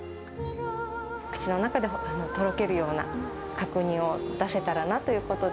口の中でとろけるような角煮を出せたらなということで。